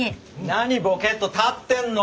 何ぼけっと立ってんの！